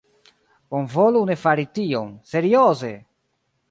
Bonvolu ne fari tion. Serioze!